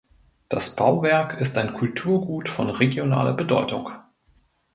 Das Bauwerk ist ein Kulturgut von regionaler Bedeutung.